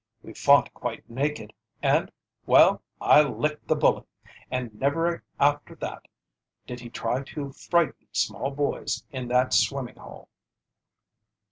We fought quite naked, and well, I licked the bully, and never after that did he try to frighten small boys in that swimming hole.